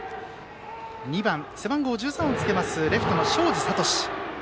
打席には２番、背番号１３をつけますレフトの東海林智。